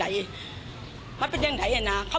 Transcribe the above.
ช่วยเร่งจับตัวคนร้ายให้ได้โดยเร่ง